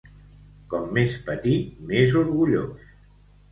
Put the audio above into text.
Com més petit, més orgullós.